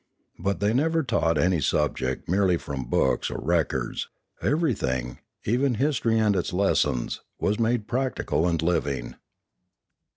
But they never taught any subject merely from books or records; everything, even history and its lessons, was made practical and living.